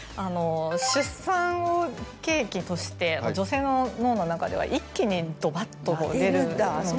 出産を契機として女性の脳の中では一気にドバっと出るので。